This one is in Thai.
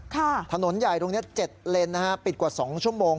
ค่ะถนนใหญ่ตรงนี้๗เลนส์นะฮะปิดกว่า๒ชั่วโมง